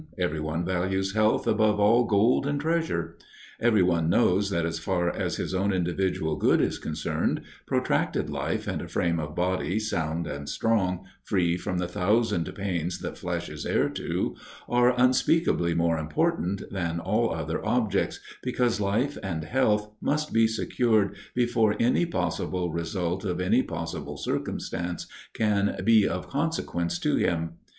Every one values health "above all gold and treasure." Every one knows that as far as his own individual good is concerned, protracted life and a frame of body sound and strong, free from the thousand pains that flesh is heir to, are unspeakably more important than all other objects, because life and health must be secured before any possible result of any possible circumstance can be of consequence to him.